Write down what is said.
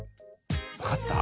分かった？